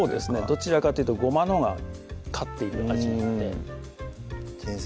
どちらかというとごまのほうが勝っている味なので先生